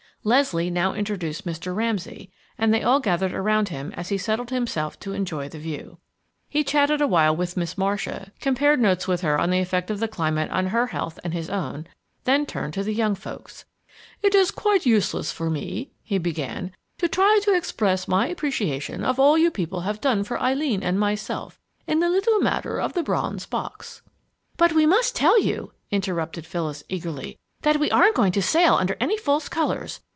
Leslie now introduced Mr. Ramsay, and they all gathered around him as he settled himself to enjoy the view. He chatted a while with Miss Marcia, compared notes with her on the effect of the climate on her health and his own, then turned to the young folks. "It is quite useless for me," he began, "to try to express my appreciation of all you people have done for Eileen and myself in the little matter of the bronze box." "But we must tell you," interrupted Phyllis, eagerly, "that we aren't going to sail under any false colors!